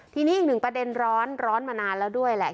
ทีนี้อีกหนึ่งประเด็นร้อนร้อนมานานแล้วด้วยแหละ